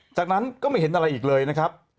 จากนั้นก็ไม่เห็นอะไรอีกเลยนะครับ